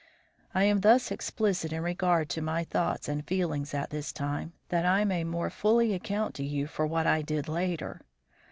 I am thus explicit in regard to my thoughts and feelings at this time, that I may more fully account to you for what I did later.